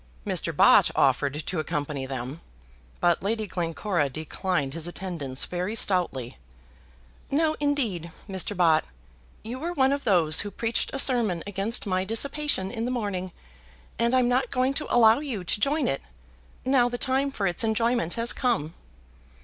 Mr. Bott offered to accompany them, but Lady Glencora declined his attendance very stoutly. "No, indeed, Mr. Bott; you were one of those who preached a sermon against my dissipation in the morning, and I'm not going to allow you to join it, now the time for its enjoyment has come."